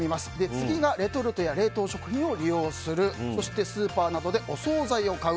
次がレトルトや冷凍食品を利用するそして、スーパーなどでお総菜を買う。